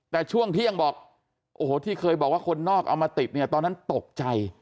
แต่ช่วงเที่ยงบอกโอ้โหที่เคยบอกว่าคนนอกเอามาติดเนี่ยตอนนั้นตกใจ